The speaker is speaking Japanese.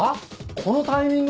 このタイミングで？